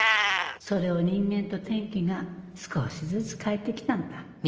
それを人間と天気が少しずつ変えてきたんだ。